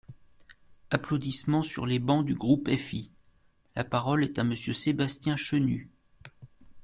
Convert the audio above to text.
(Applaudissements sur les bancs du groupe FI.) La parole est à Monsieur Sébastien Chenu.